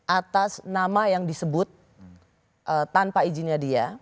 atas nama yang disebut tanpa izinnya dia